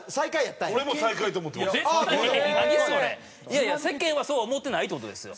いやいや世間はそうは思ってないって事ですよ。